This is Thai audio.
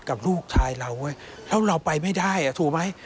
กับลูกชายเราแล้วเราไปไม่ได้อ่ะถูกไหม